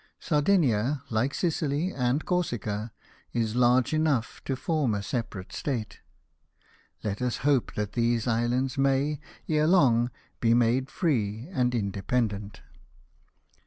Sardinia, like Sicily and Corsica, is large enough to form a separate state. Let us hope that these islands may, ere long, be made free and independent.